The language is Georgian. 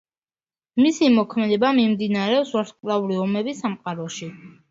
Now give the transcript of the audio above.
მისი მოქმედება მიმდინარეობს „ვარსკვლავური ომების“ სამყაროში.